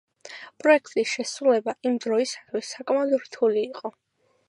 პროექტის შესრულება იმ პერიოდისათვის საკმაოდ რთული იყო.